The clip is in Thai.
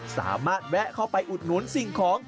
สามารถแวะเข้าไปอุดหนุนสิ่งของ